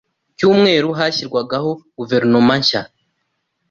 Cyumweru hashyirwagaho guverinoma nshya,